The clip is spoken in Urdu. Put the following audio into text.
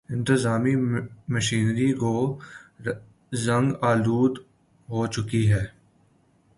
انتظامی مشینری گو زنگ آلود ہو چکی ہے۔